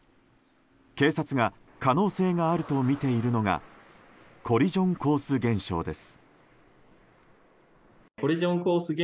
警察が可能性があるとみているのがコリジョンコース現象です。